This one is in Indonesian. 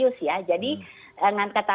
news ya jadi dengan kata